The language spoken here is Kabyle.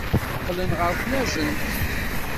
Qqlen ɣer tnazent.